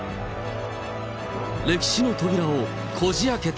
歴史の扉をこじあけた。